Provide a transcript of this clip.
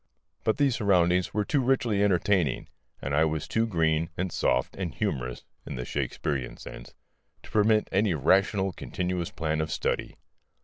But these surroundings were too richly entertaining, and I was too green and soft and humorous (in the Shakespearean sense) to permit any rational continuous plan of study.